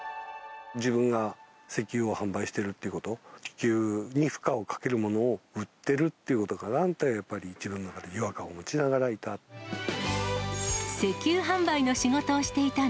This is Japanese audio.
自分が石油を販売しているっていうこと、地球に負荷をかけるものを売っているっていうことが、何か自分の中で違和感を持ちながらいた。